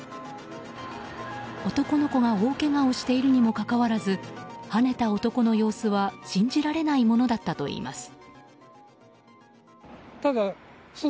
男の子が大けがをしているにもかかわらずはねた男の様子は信じられないものだったといいます。